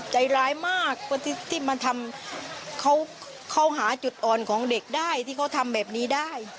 ใจร้ายมากกว่าที่มาทำเขาหาจุดอ่อนของเด็กได้ที่เขาทำแบบนี้ได้